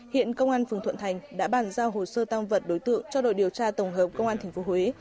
hiện công an phường thuận thành đã bàn giao hồ sơ tăng vật đối tượng cho đội điều tra tổng hợp công an tp huế